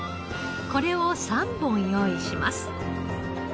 これを３本用意します。